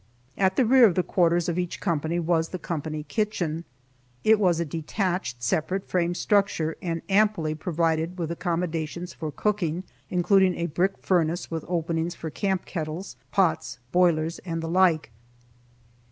At the rear of the quarters of each company was the company kitchen. It was a detached, separate frame structure, and amply provided with accommodations for cooking, including a brick furnace with openings for camp kettles, pots, boilers and the like.